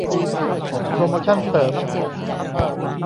โปรโมชันเสริม